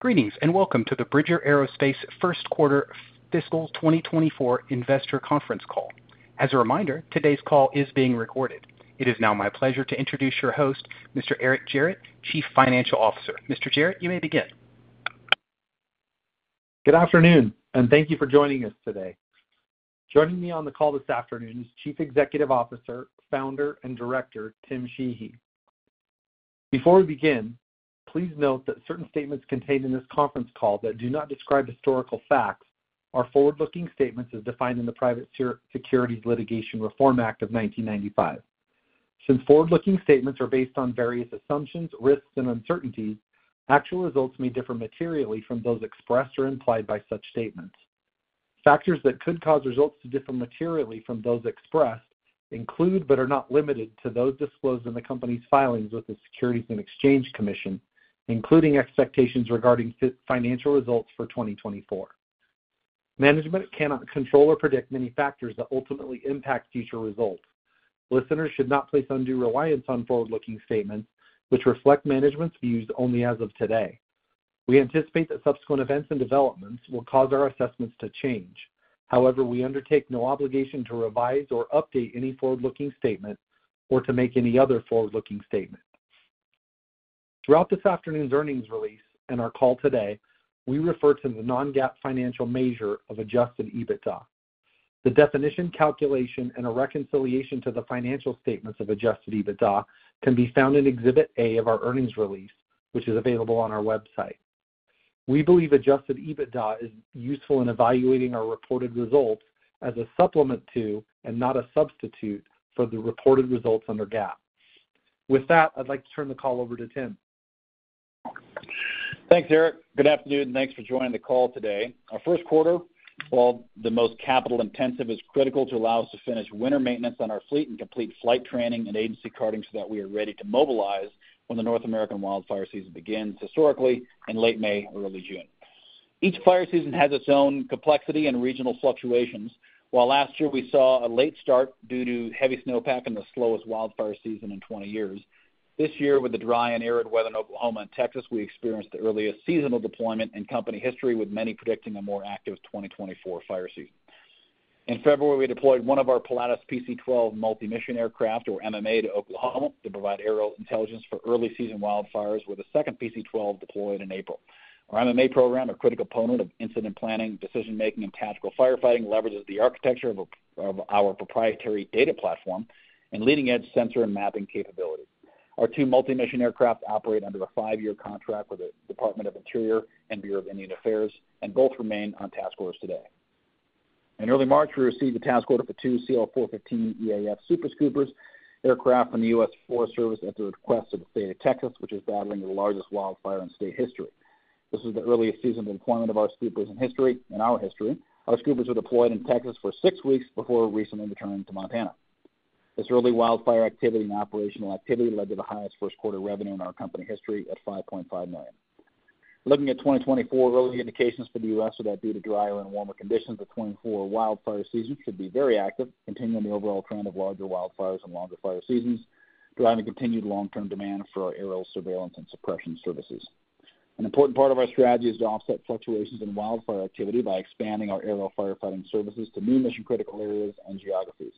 Greetings and welcome to the Bridger Aerospace First Quarter Fiscal 2024 Investor Conference Call. As a reminder, today's call is being recorded. It is now my pleasure to introduce your host, Mr. Eric Gerratt, Chief Financial Officer. Mr. Gerratt, you may begin. Good afternoon, and thank you for joining us today. Joining me on the call this afternoon is Chief Executive Officer, Founder, and Director Tim Sheehy. Before we begin, please note that certain statements contained in this conference call that do not describe historical facts are forward-looking statements as defined in the Private Securities Litigation Reform Act of 1995. Since forward-looking statements are based on various assumptions, risks, and uncertainties, actual results may differ materially from those expressed or implied by such statements. Factors that could cause results to differ materially from those expressed include but are not limited to those disclosed in the company's filings with the Securities and Exchange Commission, including expectations regarding financial results for 2024. Management cannot control or predict many factors that ultimately impact future results. Listeners should not place undue reliance on forward-looking statements which reflect management's views only as of today. We anticipate that subsequent events and developments will cause our assessments to change. However, we undertake no obligation to revise or update any forward-looking statement or to make any other forward-looking statement. Throughout this afternoon's earnings release and our call today, we refer to the non-GAAP financial measure of Adjusted EBITDA. The definition, calculation, and a reconciliation to the financial statements of Adjusted EBITDA can be found in Exhibit A of our earnings release, which is available on our website. We believe Adjusted EBITDA is useful in evaluating our reported results as a supplement to and not a substitute for the reported results under GAAP. With that, I'd like to turn the call over to Tim. Thanks, Eric. Good afternoon, and thanks for joining the call today. Our first quarter, while the most capital-intensive, is critical to allow us to finish winter maintenance on our fleet and complete flight training and agency carding so that we are ready to mobilize when the North American wildfire season begins, historically, in late May or early June. Each fire season has its own complexity and regional fluctuations. While last year we saw a late start due to heavy snowpack in the slowest wildfire season in 20 years, this year, with the dry and arid weather in Oklahoma and Texas, we experienced the earliest seasonal deployment in company history, with many predicting a more active 2024 fire season. In February, we deployed one of our Pilatus PC-12 multi-mission aircraft, or MMA, to Oklahoma to provide aerial intelligence for early-season wildfires, with a second PC-12 deployed in April. Our MMA program, a critical component of incident planning, decision-making, and tactical firefighting, leverages the architecture of our proprietary data platform and leading-edge sensor and mapping capabilities. Our 2 multi-mission aircraft operate under a 5-year contract with the Department of Interior and Bureau of Indian Affairs, and both remain on task orders today. In early March, we received a task order for 2 CL-415EAF Super Scoopers aircraft from the U.S. Forest Service at the request of the state of Texas, which is battling the largest wildfire in state history. This was the earliest seasonal deployment of our scoopers in history. In our history, our scoopers were deployed in Texas for 6 weeks before recently returning to Montana. This early wildfire activity and operational activity led to the highest first-quarter revenue in our company history at $5.5 million. Looking at 2024, early indications for the U.S. are that due to drier and warmer conditions, the 2024 wildfire season should be very active, continuing the overall trend of larger wildfires and longer fire seasons, driving continued long-term demand for our aerial surveillance and suppression services. An important part of our strategy is to offset fluctuations in wildfire activity by expanding our aerial firefighting services to new mission-critical areas and geographies.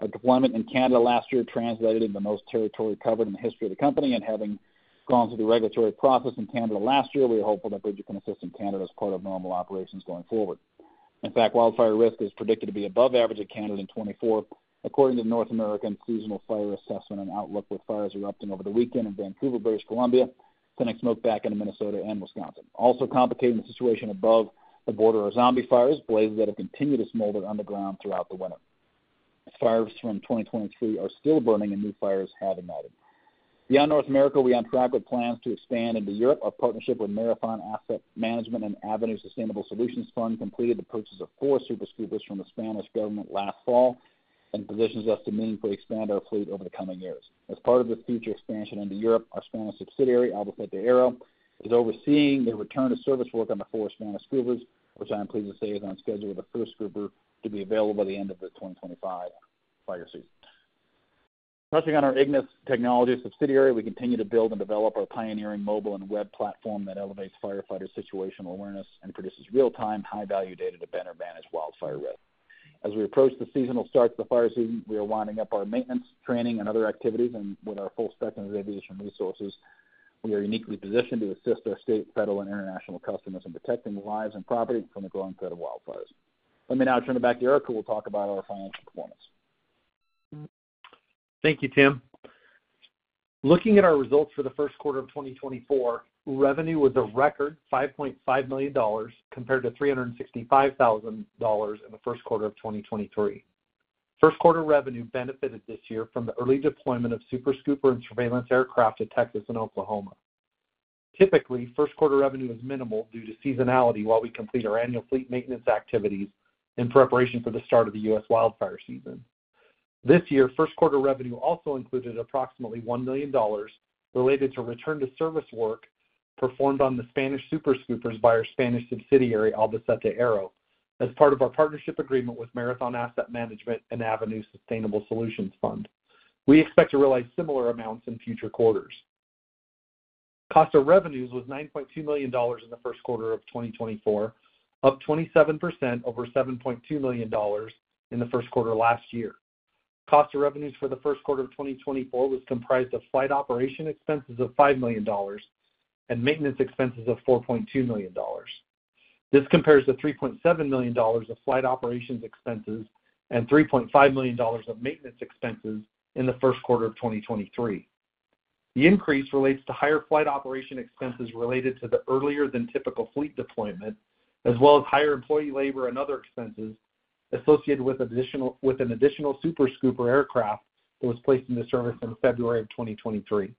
Our deployment in Canada last year translated into the most territory covered in the history of the company, and having gone through the regulatory process in Canada last year, we are hopeful that Bridger can assist in Canada as part of normal operations going forward. In fact, wildfire risk is predicted to be above average in Canada in 2024, according to the North American Seasonal Fire Assessment and Outlook, with fires erupting over the weekend in Vancouver, British Columbia, sending smoke back into Minnesota and Wisconsin. Also complicating the situation above the border are zombie fires, blazes that have continued to smolder underground throughout the winter. Fires from 2023 are still burning, and new fires have ignited. Beyond North America, we are on track with plans to expand into Europe. Our partnership with Marathon Asset Management and Avenue Sustainable Solutions Fund completed the purchase of four Super Scoopers from the Spanish government last fall and positions us to meaningfully expand our fleet over the coming years. As part of this future expansion into Europe, our Spanish subsidiary, Albacete Aero, is overseeing the return-to-service work on the four Spanish Scoopers, which I am pleased to say is on schedule with the first Scooper to be available by the end of the 2025 fire season. Touching on our Ignis Technologies subsidiary, we continue to build and develop our pioneering mobile and web platform that elevates firefighters' situational awareness and produces real-time, high-value data to better manage wildfire risk. As we approach the seasonal start to the fire season, we are winding up our maintenance, training, and other activities. With our full spectrum of aviation resources, we are uniquely positioned to assist our state, federal, and international customers in protecting lives and property from the growing threat of wildfires. Let me now turn it back to Eric, who will talk about our financial performance. Thank you, Tim. Looking at our results for the first quarter of 2024, revenue was a record $5.5 million compared to $365,000 in the first quarter of 2023. First-quarter revenue benefited this year from the early deployment of Super Scooper and surveillance aircraft to Texas and Oklahoma. Typically, first-quarter revenue is minimal due to seasonality while we complete our annual fleet maintenance activities in preparation for the start of the U.S. wildfire season. This year, first-quarter revenue also included approximately $1 million related to return-to-service work performed on the Spanish Super Scoopers by our Spanish subsidiary, Albacete Aero, as part of our partnership agreement with Marathon Asset Management and Avenue Sustainable Solutions Fund. We expect to realize similar amounts in future quarters. Cost of revenues was $9.2 million in the first quarter of 2024, up 27% over $7.2 million in the first quarter last year. Cost of revenues for the first quarter of 2024 was comprised of flight operation expenses of $5 million and maintenance expenses of $4.2 million. This compares to $3.7 million of flight operations expenses and $3.5 million of maintenance expenses in the first quarter of 2023. The increase relates to higher flight operation expenses related to the earlier-than-typical fleet deployment, as well as higher employee labor and other expenses associated with an additional Super Scooper aircraft that was placed into service in February of 2023.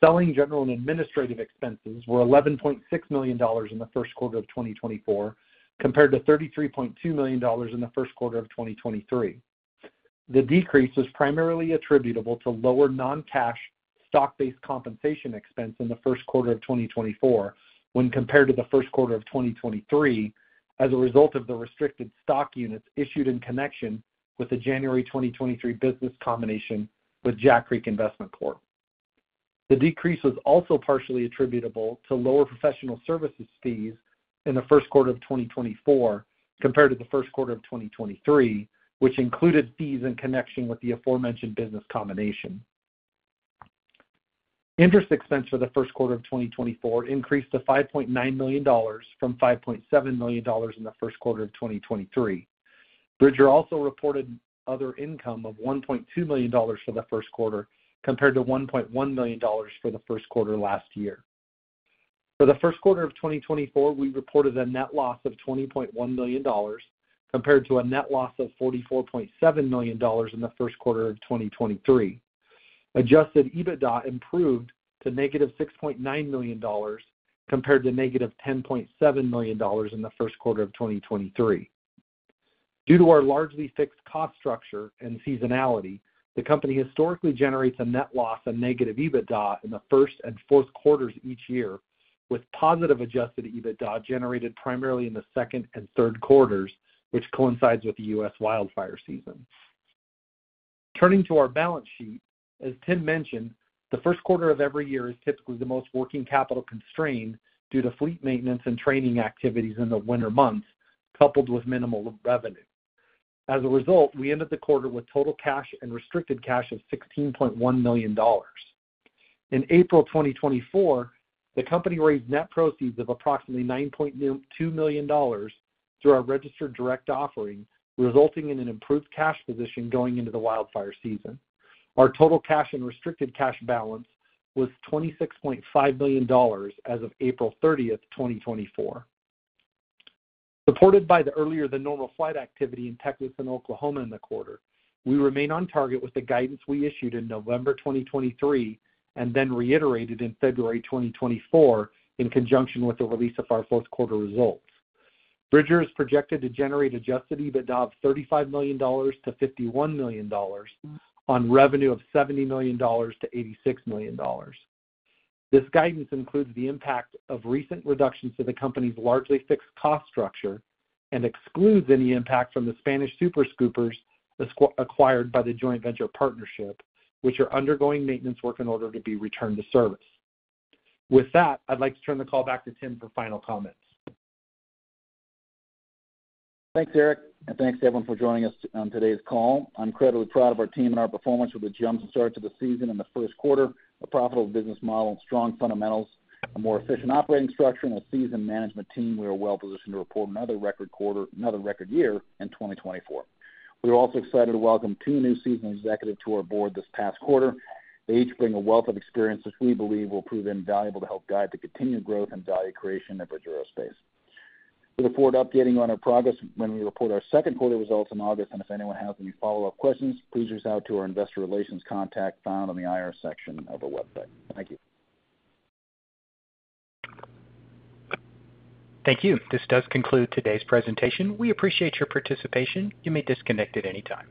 Selling general and administrative expenses were $11.6 million in the first quarter of 2024 compared to $33.2 million in the first quarter of 2023. The decrease was primarily attributable to lower non-cash, stock-based compensation expense in the first quarter of 2024 when compared to the first quarter of 2023 as a result of the restricted stock units issued in connection with the January 2023 business combination with Jack Creek Investment Corp. The decrease was also partially attributable to lower professional services fees in the first quarter of 2024 compared to the first quarter of 2023, which included fees in connection with the aforementioned business combination. Interest expense for the first quarter of 2024 increased to $5.9 million from $5.7 million in the first quarter of 2023. Bridger also reported other income of $1.2 million for the first quarter compared to $1.1 million for the first quarter last year. For the first quarter of 2024, we reported a net loss of $20.1 million compared to a net loss of $44.7 million in the first quarter of 2023. Adjusted EBITDA improved to $-6.9 million compared to $-10.7 million in the first quarter of 2023. Due to our largely fixed cost structure and seasonality, the company historically generates a net loss of negative EBITDA in the first and fourth quarters each year, with positive adjusted EBITDA generated primarily in the second and third quarters, which coincides with the U.S. wildfire season. Turning to our balance sheet, as Tim mentioned, the first quarter of every year is typically the most working capital constrained due to fleet maintenance and training activities in the winter months, coupled with minimal revenue. As a result, we ended the quarter with total cash and restricted cash of $16.1 million. In April 2024, the company raised net proceeds of approximately $9.2 million through our registered direct offering, resulting in an improved cash position going into the wildfire season. Our total cash and restricted cash balance was $26.5 million as of April 30, 2024. Supported by the earlier-than-normal flight activity in Texas and Oklahoma in the quarter, we remain on target with the guidance we issued in November 2023 and then reiterated in February 2024 in conjunction with the release of our fourth quarter results. Bridger is projected to generate Adjusted EBITDA of $35 million-$51 million on revenue of $70 million-$86 million. This guidance includes the impact of recent reductions to the company's largely fixed cost structure and excludes any impact from the Spanish Super Scoopers acquired by the joint venture partnership, which are undergoing maintenance work in order to be returned to service. With that, I'd like to turn the call back to Tim for final comments. Thanks, Eric, and thanks to everyone for joining us on today's call. I'm incredibly proud of our team and our performance with a jumpstart to the season in the first quarter, a profitable business model and strong fundamentals, a more efficient operating structure, and a seasoned management team. We are well positioned to report another record quarter, another record year in 2024. We are also excited to welcome two new seasoned executives to our board this past quarter. They each bring a wealth of experience which we believe will prove invaluable to help guide the continued growth and value creation at Bridger Aerospace. We look forward to updating on our progress when we report our second quarter results in August. If anyone has any follow-up questions, please reach out to our investor relations contact found on the IR section of our website. Thank you. Thank you. This does conclude today's presentation. We appreciate your participation. You may disconnect at any time.